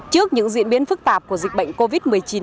trước những diễn biến phức tạp của dịch bệnh covid một mươi chín